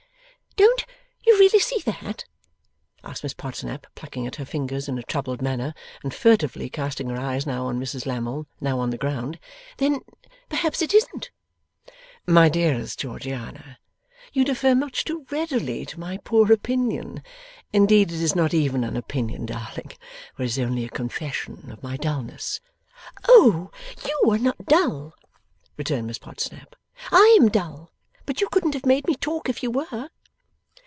'Don't you really see that?' asked Miss Podsnap, plucking at her fingers in a troubled manner, and furtively casting her eyes now on Mrs Lammle, now on the ground. 'Then perhaps it isn't?' 'My dearest Georgiana, you defer much too readily to my poor opinion. Indeed it is not even an opinion, darling, for it is only a confession of my dullness.' 'Oh YOU are not dull,' returned Miss Podsnap. 'I am dull, but you couldn't have made me talk if you were.